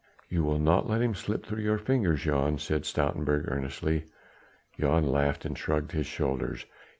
"You will not let him slip through your fingers, Jan?" said Stoutenburg earnestly. Jan laughed and shrugged his shoulders.